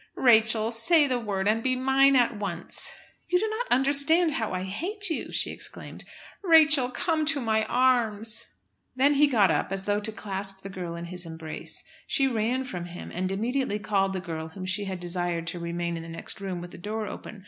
"Rachel, say the word, and be mine at once." "You do not understand how I hate you!" she exclaimed. "Rachel, come to my arms!" Then he got up, as though to clasp the girl in his embrace. She ran from him, and immediately called the girl whom she had desired to remain in the next room with the door open.